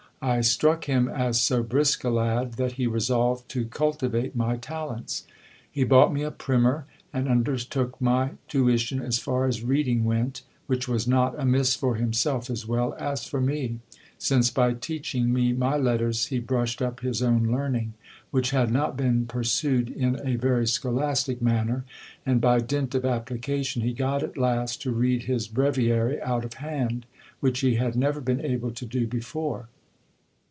I struck him as so brisk a lad, that he resolved to cultivate my talents. He bought me a primer, and undertook my tuition as far as reading went : which was not amiss for himself as well as for me ; since by teaching me my letters he brushed up his own learning, which had not been pursued in a very scholastic manner ; and, by dint of application, he got at last to read his breviary out of hand, which he had never been able to do before.